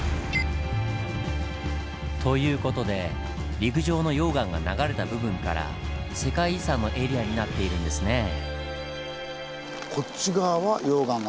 という事で陸上の溶岩が流れた部分から世界遺産のエリアになっているんですねぇ。